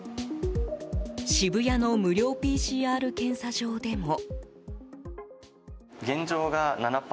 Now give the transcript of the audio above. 渋谷の無料ＰＣＲ検査場でも。